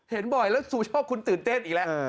เห็นบ่อยแล้วซูชอบคุณตื่นเต้นอีกแล้ว